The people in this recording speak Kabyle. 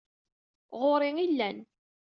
Ɣuṛ-i i llan.